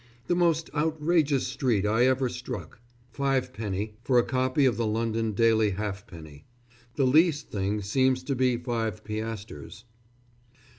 The most outrageous street I ever struck 5_d._ for a copy of a London daily halfpenny. The least thing seems to be five piastres.